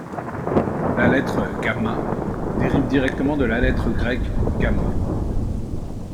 La lettre Г dérive directement de la lettre grecque gamma.